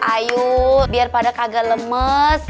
ayo biar pada kagak lemes